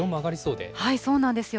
そうなんですよ。